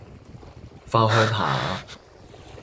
番鄉下